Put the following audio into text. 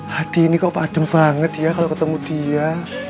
hadi ini kok padem banget ya kalau ketemu dia